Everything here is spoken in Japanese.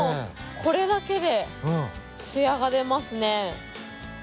これだけで艶が出ますね。